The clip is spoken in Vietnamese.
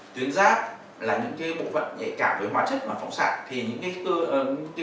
tuyến giác là những cái bộ phận nhạy cảm với hóa chất và phòng sạn thì những cái